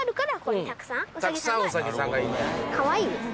かわいいです。